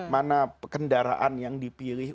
mana kendaraan yang dipilih